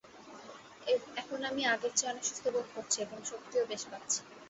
এখন আমি আগের চেয়ে অনেক সুস্থ বোধ করছি এবং শক্তিও বেশ পাচ্ছি।